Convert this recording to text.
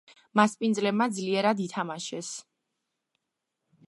მასპინძლებმა ძლიერად ითმაშეს.